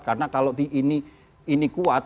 karena kalau ini kuat